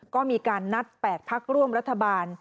ก็มีการนัด๘พักร่วมรัฐบาล